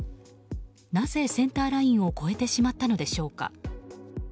なぜセンターラインを越えてしまったのでしょうか。